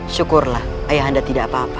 syukurlah ayah anda tidak apa apa